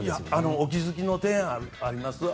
お気づきの点あります？